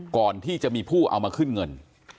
ก่อนที่จะมีผู้เอามาขึ้นเงิน